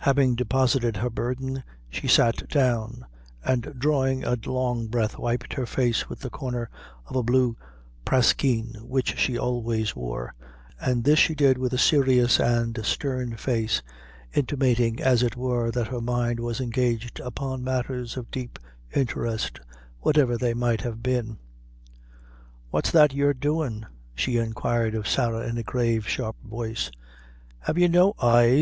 Having deposited her burthen, she sat down, and drawing a long breath, wiped her face with the corner of a blue praskeen which she always wore, and this she did with a serious and stern face, intimating, as it were, that her mind was engaged upon matters of deep interest, whatever they might have been. "What's that you're doin'?" she inquired of Sarah, in a grave, sharp voice. "Have you no eyes?"